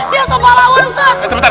dia soal lawan ustadz